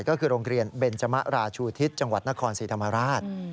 ก็คือโรงเรียนเบนจมะราชูทิศจังหวัดนครศรีธรรมราช